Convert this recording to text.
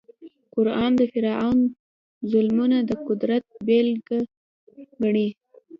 قران د فرعون ظلمونه د قدرت بېلګه ګڼي.